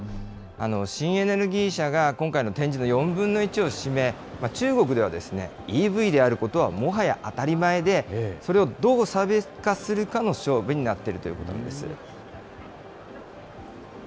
新エネルギー車が今回の展示の４分の１を占め、中国ではＥＶであることはもはや当たり前で、それをどう差別化するかの勝負になっているということなんです。